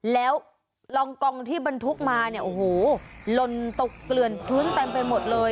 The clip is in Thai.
แล้วรองกองที่บรรทุกมาเนี่ยโอ้โหลนตกเกลือนพื้นเต็มไปหมดเลย